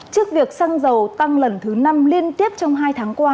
trước việc xăng dầu tăng lần thứ năm liên tiếp trong hai tháng qua